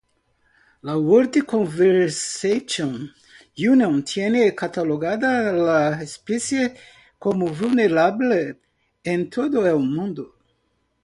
La World Conservation Union tiene catalogada la especie como Vulnerable en todo el mundo.